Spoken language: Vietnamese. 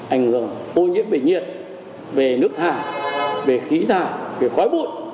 ảnh hưởng ô nhiễm về nhiệt về nước thả về khí thả về khói bụi